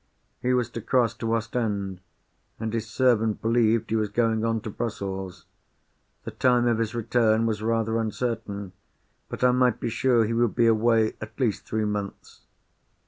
He was to cross to Ostend; and his servant believed he was going on to Brussels. The time of his return was rather uncertain; but I might be sure he would be away at least three months.